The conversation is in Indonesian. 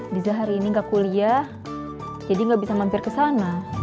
diza hari ini enggak kuliah jadi enggak bisa mampir ke sana